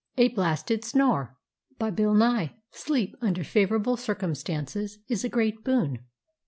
A Blasted Snore Sleep, under favorable circumstances, is a great boon.